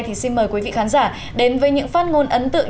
thì xin mời quý vị khán giả đến với những phát ngôn ấn tượng